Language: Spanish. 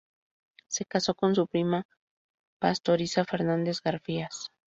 Se casó con su prima, Pastoriza Fernández Garfias.